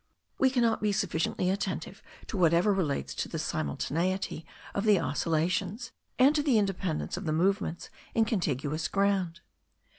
We cannot be sufficiently attentive to whatever relates to the simultaneity of the oscillations, and to the independence of the movements in contiguous ground.